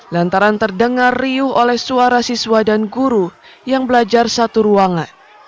lantaran terdengar riuh oleh suara siswa dan guru yang belajar satu ruangan